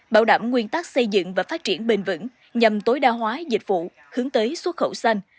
bảo đảm nguyên tắc xây dựng và phát triển bền vững nhằm tối đa hóa dịch vụ hướng tới xuất khẩu xanh